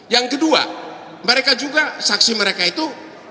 yang kedua mereka juga saksi mereka itu